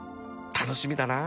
楽しみだな